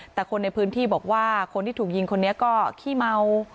แต่คนในพื้นที่บอกว่าคนที่ถูกยิงคนนี้ก็ขี้เมา